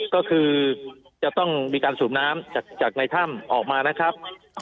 ก็คือจะต้องมีการสูบน้ำจากในถ้ำออกมานะครับ